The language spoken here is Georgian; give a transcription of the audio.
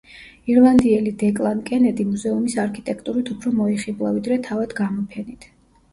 ირლანდიელი დეკლან კენედი მუზეუმის არქიტექტურით უფრო მოიხიბლა, ვიდრე თავად გამოფენით.